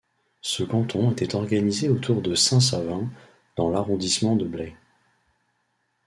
Ce canton était organisé autour de Saint-Savin dans l'arrondissement de Blaye.